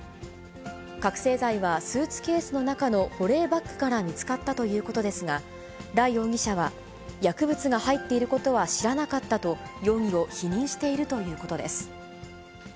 覚醒剤はスーツケースの中の保冷バッグから見つかったということですが、羅容疑者は、薬物が入っていることは知らなかったと、容疑を否認しているということです。